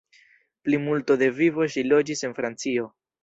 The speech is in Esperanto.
Plimulto de vivo ŝi loĝis en Francio.